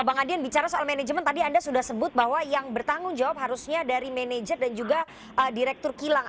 bang adian bicara soal manajemen tadi anda sudah sebut bahwa yang bertanggung jawab harusnya dari manajer dan juga direktur kilang